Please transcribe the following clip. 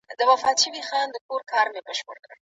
څنګه قونسلګري پر نورو هیوادونو اغیز کوي؟